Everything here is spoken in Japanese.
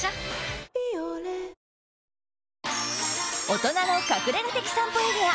大人の隠れ家的散歩エリア